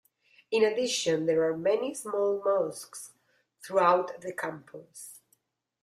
In addition, there are many small mosques throughout the campus.